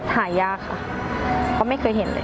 หายากค่ะเพราะไม่เคยเห็นเลย